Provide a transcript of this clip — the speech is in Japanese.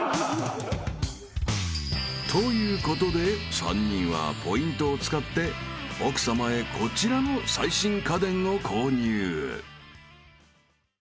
［ということで３人はポイントを使って奥さまへこちらの最新家電を購入］